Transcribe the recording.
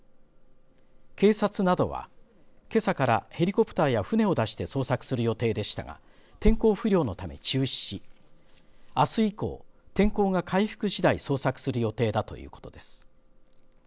警察などはけさからヘリコプターや船を出して捜索する予定でしたが天候不良のため中止しあす以降天候が回復しだい捜索する予定だということです。